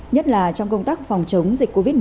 nhất là trong công tác phòng chống dịch covid một mươi